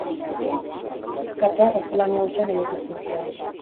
Kateak gaztelania hutsean emititzen zuen.